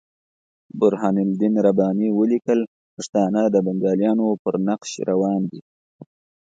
برهان الدین رباني ولیکل پښتانه د بنګالیانو پر نقش روان دي.